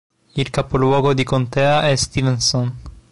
Il capoluogo di contea è Stevenson.